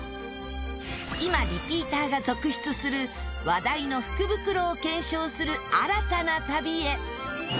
今リピーターが続出する話題の福袋を検証する新たな旅へ！